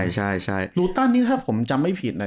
เนี่ยเนี่ยผมจำไม่ผิดอ่ะ